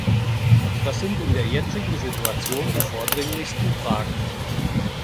Das sind in der jetzigen Situation die vordringlichsten Fragen.